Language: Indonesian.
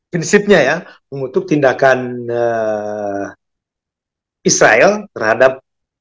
prinsipnya ya mengutuk tindakan israel terhadap